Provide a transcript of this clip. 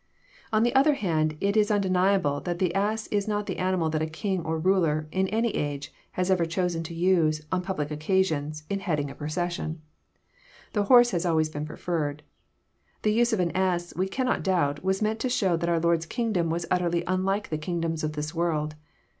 On the other hand, it is undeniable that the ass is not the animal that a king or ruler, in any age, has ever chosen to use, on public occasions, in heading a procession. The horse has always been preferred. The use of an ass, we cannot doubt, was meant to show that our Lord's kingdom was utterly unlike the kingdoms of this world.